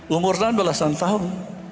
umur enam belas tahun